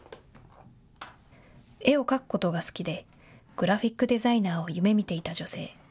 絵を描くことが好きでグラフィックデザイナーを夢みていた女性。